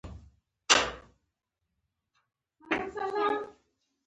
غوږونه له افسانو سره اشنا دي